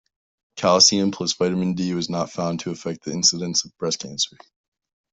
Calcium plus vitamin D was not found to affect the incidence of breast cancer.